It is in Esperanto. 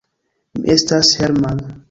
Mi estas Hermann!